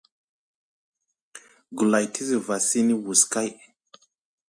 Gulay te zuva sini wus kay.